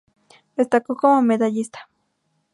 Destacó como medallista.